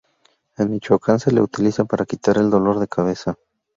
En Michoacán se le utiliza para quitar el dolor de cabeza.